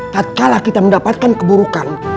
tak kalah kita mendapatkan keburukan